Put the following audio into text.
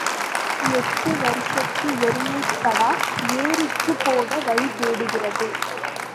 எட்டு வருஷத்து எருமைக் கடா ஏரிக்குப் போக வழி தேடுகிறது.